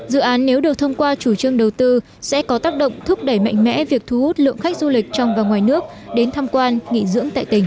dự án nếu được thông qua chủ trương đầu tư sẽ có tác động thúc đẩy mạnh mẽ việc thu hút lượng khách du lịch trong và ngoài nước đến tham quan nghỉ dưỡng tại tỉnh